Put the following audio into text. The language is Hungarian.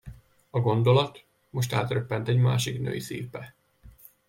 A gondolat, most átröppent egy másik női szívbe.